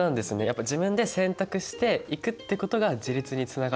やっぱ自分で選択していくってことが自立につながるってことなんですよね？